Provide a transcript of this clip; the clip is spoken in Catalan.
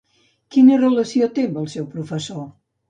Quina relació té amb el seu professor?